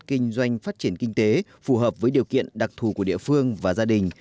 kinh doanh phát triển kinh tế phù hợp với điều kiện đặc thù của địa phương và gia đình